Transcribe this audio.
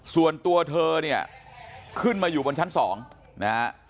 ส่วนตัวเธอขึ้นมาอยู่บนชั้น๒